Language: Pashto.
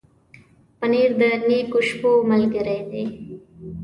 پنېر د نېکو شپو ملګری دی.